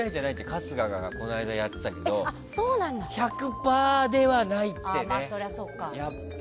春日がこの間やっていたけど１００％ではないってね。